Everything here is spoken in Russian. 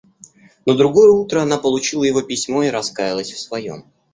На другое утро она получила его письмо и раскаялась в своем.